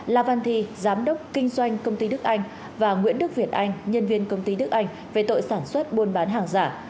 la văn thi giám đốc kinh doanh công ty đức anh và nguyễn đức việt anh nhân viên công ty đức anh về tội sản xuất buôn bán hàng giả